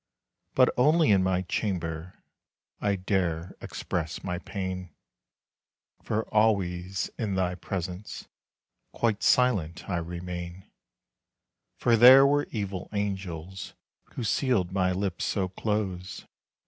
But only in my chamber I dare express my pain; For always in thy presence Quite silent I remain. For there were evil angels Who sealed my lips so close.